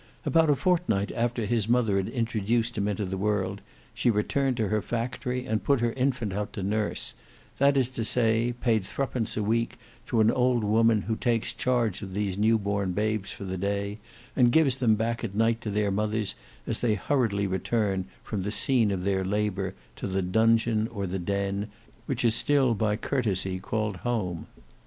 About a fortnight after his mother had introduced him into the world, she returned to her factory and put her infant out to nurse, that is to say, paid threepence a week to an old woman who takes charge of these new born babes for the day, and gives them back at night to their mothers as they hurriedly return from the scene of their labour to the dungeon or the den, which is still by courtesy called "home."